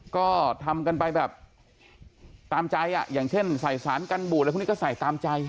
ก็ทำกันไปแบบตามใจอย่างเช่นใส่สารกันบูดอะไรพวกนี้ก็ใส่ตามใจ